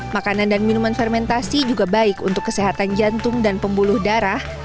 makanan dan minuman fermentasi juga baik untuk kesehatan jantung dan pembuluh darah